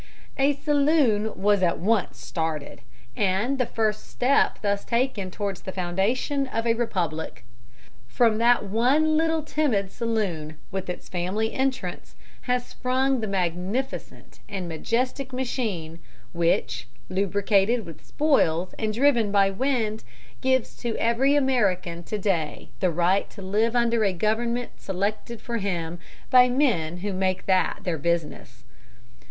A saloon was at once started, and the first step thus taken towards the foundation of a republic. From that one little timid saloon, with its family entrance, has sprung the magnificent and majestic machine which, lubricated with spoils and driven by wind, gives to every American to day the right to live under a Government selected for him by men who make that their business.